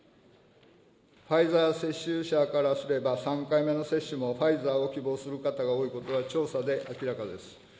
ファイザー接種者からすれば、３回目の接種もファイザーを希望する方が多いことは、調査で明らかです。